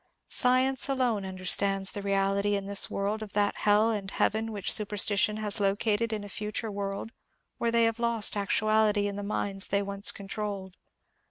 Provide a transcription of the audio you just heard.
Science alone understands the reality in this world of that hell and heaven which supersti tion has located in a future world where they have lost actual ity in the minds they once controlled.